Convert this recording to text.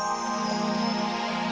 kalau saya kedua aku grandpa keluar muncul